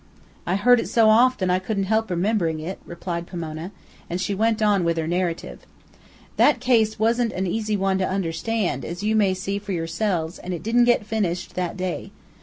"I heard it so often, I couldn't help remembering it," replied Pomona. And she went on with her narrative. "That case wasn't a easy one to understand, as you may see for yourselves, and it didn't get finished that day.